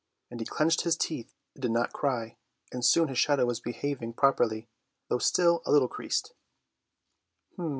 And he clenched his teeth and did not cry, and soon his shadow was behaving properly, though still a little creased.